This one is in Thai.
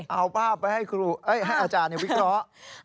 เอาภาพไปให้อาจารย์วิเคราะห์